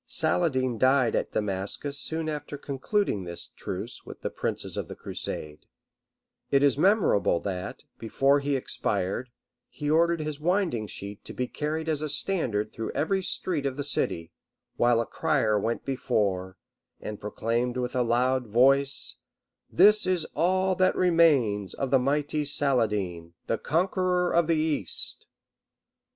] Saladin died at Damascus soon after concluding this truce with the princes of the crusade; it is memorable that, before he expired, he ordered his winding sheet to be carried as a standard through every street of the city; while a crier went before, and proclaimed with a loud voice, "This is all that remains to the mighty Saladin, the conqueror of the East."